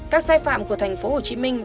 các sai phạm của thành phố hồ chí minh